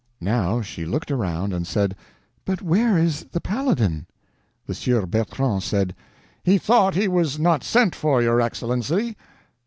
Now she looked around and said: "But where is the Paladin?" The Sieur Bertrand said: "He thought he was not sent for, your Excellency."